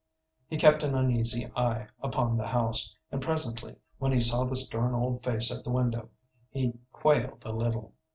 He kept an uneasy eye upon the house, and presently, when he saw the stern old face at the window, he quailed a little.